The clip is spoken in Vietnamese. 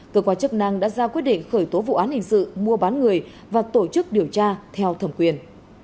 cơ quan chức năng đã ra quyết định khởi tố vụ án hình sự mua bán người và tổ chức điều tra theo thẩm quyền